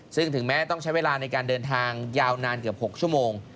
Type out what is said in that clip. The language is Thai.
ซึ่งถึงแม้ต้องใช้เวลาในการเดินทางยาวนานเกือบ๖ชั่วโมง